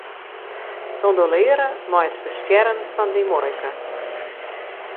Kondolearre mei it ferstjerren fan dyn muoike.